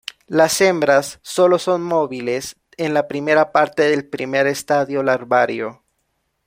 Las hembras solo son móviles en la primera parte del primer estadio larvario.